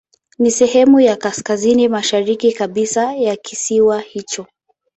Ni sehemu ya kaskazini mashariki kabisa ya kisiwa hicho.